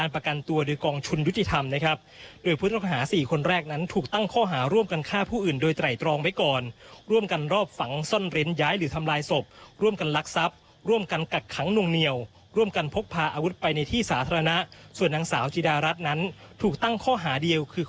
ผู้สึกข่าวธนาคต์ทีวี